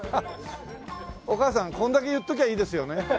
お母さんこんだけ言っときゃいいですよね？